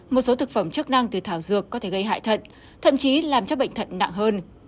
một số thực phẩm chức năng từ thảo dược có thể gây hại thận thậm chí làm cho bệnh thận nặng hơn